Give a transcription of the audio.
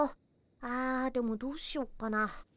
ああでもどうしよっかな。